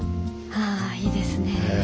ああいいですね。